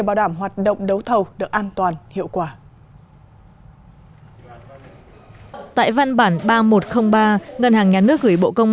bảo đảm hoạt động đấu thầu được an toàn hiệu quả tại văn bản ba nghìn một trăm linh ba ngân hàng nhà nước gửi bộ công